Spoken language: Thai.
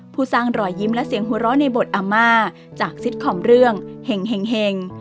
สร้างรอยยิ้มและเสียงหัวเราะในบทอาม่าจากซิตคอมเรื่องเห็ง